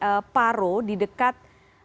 seperti apa sebenarnya kondisi wilayah di polda